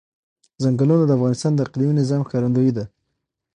ځنګلونه د افغانستان د اقلیمي نظام ښکارندوی ده.